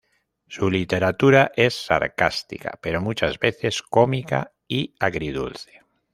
Su literatura es sarcástica, pero muchas veces cómica y agridulce.